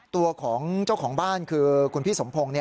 ตัวของเจ้าของบ้านคือคุณพี่สมพงศ์